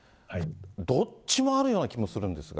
どっちもあるような気もするんですが。